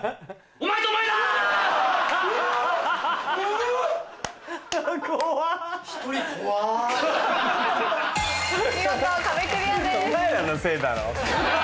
お前らのせいだろ。